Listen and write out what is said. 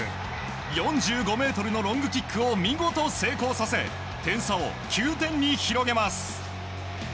４５ｍのロングキックを見事成功させ点差を９点に広げます。